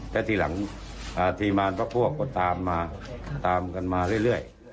แล้วทีหลังทีมมารพักพวกก็ตามมาตามกันมาเรื่อย